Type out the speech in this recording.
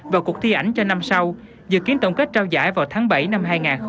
và cuộc thi ảnh cho năm sau dự kiến tổng kết trao giải vào tháng bảy năm hai nghìn hai mươi